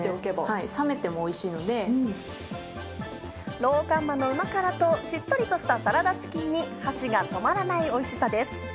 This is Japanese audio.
ローカンマのうま辛としっとりとしたサラダチキンに箸が止まらないおいしさです。